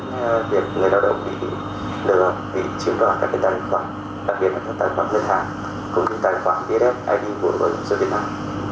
tránh việc người lao động bị lừa bị chiếm đoạn các tài khoản đặc biệt là các tài khoản lân hàng không những tài khoản bff id của bảo hiểm sở việt nam